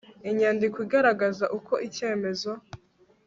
inyandiko igaragaza uko icyemezo